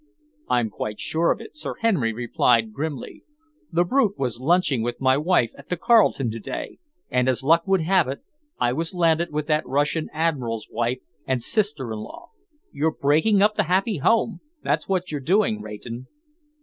"I'm quite sure of it," Sir Henry replied grimly. "The brute was lunching with my wife at the Carlton to day, and, as luck would have it, I was landed with that Russian Admiral's wife and sister in law. You're breaking up the happy home, that's what you're doing, Rayton!"